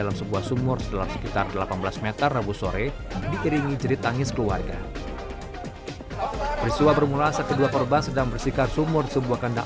mengiringi jerit tangis keluarga perisua bermula sepeda korban sedang bersihkan sumur sebuah kandang